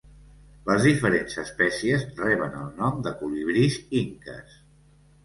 Les diferents espècies reben el nom de colibrís inques.